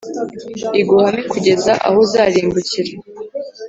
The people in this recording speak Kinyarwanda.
iguhame kugeza aho uzarimbukira.